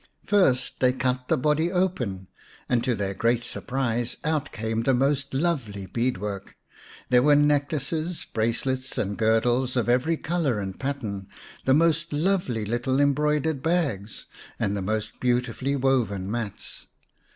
First they cut the body open, and to their great surprise out came the most lovely bead work. There were necklaces, bracelets, and 201 Nya nya Bulembu; xvn girdles of every colour and pattern, the most lovely little embroidered bags, and the most beautifully woven mats.